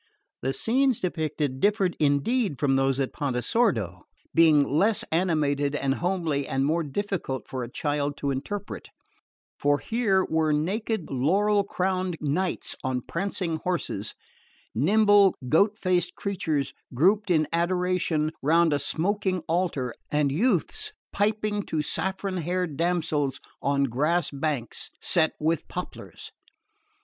The scenes depicted differed indeed from those of Pontesordo, being less animated and homely and more difficult for a child to interpret; for here were naked laurel crowned knights on prancing horses, nimble goat faced creatures grouped in adoration round a smoking altar and youths piping to saffron haired damsels on grass banks set with poplars.